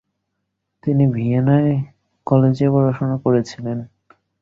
তিনি ভিয়েনায় কলেজে পড়াশোনা করছিলেন।